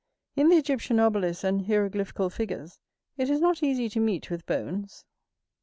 In the Egyptian obelisks and hieroglyphical figures it is not easy to meet with bones.